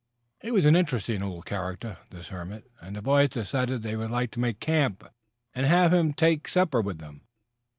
He was an interesting old character, this hermit, and the boys decided that they would like to make camp and have him take supper with them.